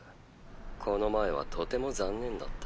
この前はとても残念だった。